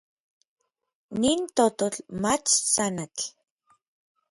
Nin tototl mach tsanatl.